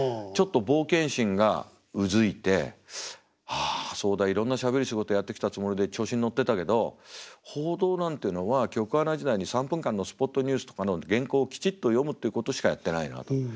ちょっと冒険心がうずいてあそうだいろんなしゃべる仕事やってきたつもりで調子に乗ってたけど報道なんていうのは局アナ時代に３分間のスポットニュースとかの原稿をきちっと読むっていうことしかやってないなと。